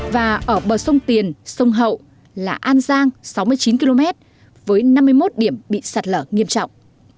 và ở bờ sông tiền sông hậu là an giang sáu mươi chín km với năm mươi một điểm bị sạt lở nghiêm trọng